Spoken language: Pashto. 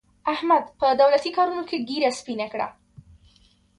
احمد په دولتي کارونو کې ږېره سپینه کړه.